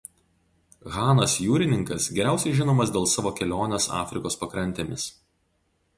Hanas Jūrininkas geriausiai žinomas dėl savo kelionės Afrikos pakrantėmis.